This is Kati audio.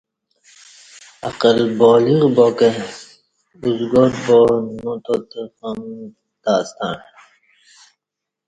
عاقل بالغ باکہ ازگار با نوتات غم تاسݩع